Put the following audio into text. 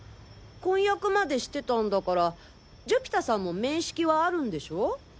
婚約までしてたんだから寿飛太さんも面識はあるんでしょ？